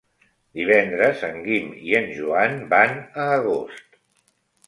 Divendres en Guim i en Joan van a Agost.